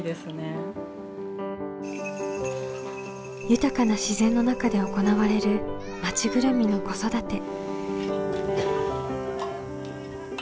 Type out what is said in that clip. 豊かな自然の中で行われる町ぐるみの子育て。